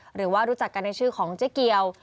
หรือว่ารู้จักกันในชื่อของเจ๊เกียว